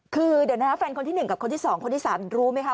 คือเดี๋ยวนะแฟนคนที่๑กับคนที่๒คนที่๓รู้ไหมคะ